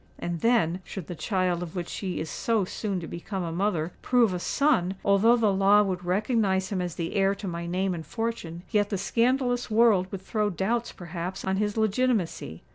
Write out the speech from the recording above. And then—should the child of which she is so soon to become a mother, prove a son—although the law would recognise him as the heir to my name and fortune, yet the scandalous world would throw doubts, perhaps, on his legitimacy.